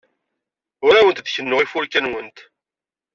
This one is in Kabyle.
Ur awent-d-kennuɣ ifurka-nwent.